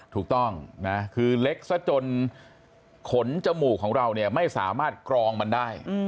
ถูกต้องนะคือเล็กซะจนขนจมูกของเราเนี่ยไม่สามารถกรองมันได้